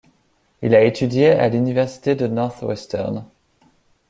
Il a étudié à l'université de NorthWestern.